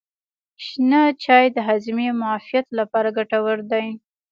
شنه چای د هاضمې او معافیت لپاره ګټور دی.